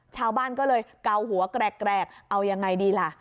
ชาวบ้านก็เลยเกาหัวแกรกเอายังไงดีล่ะ